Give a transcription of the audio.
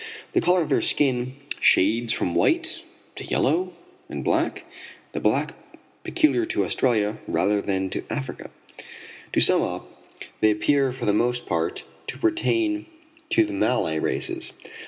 The color of their skin shades from white to yellow and black the black peculiar to Australia rather than to Africa. To sum up, they appear for the most part to pertain to the Malay races.